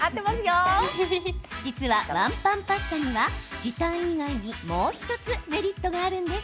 実は、ワンパンパスタには時短以外にもう１つメリットがあるんです。